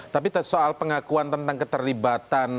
tapi soal pengakuan tentang keterlibatan